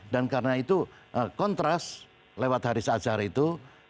dan karena itu kontras lewat hari saat sehari itu